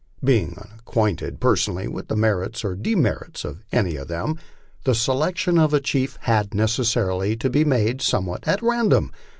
Being unacquainted personally with the merits or demerits of any of them, the selection of a chief had necessarily to be made somewhat at random.